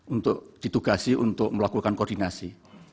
untuk ditugasi untuk melakukan koordinasi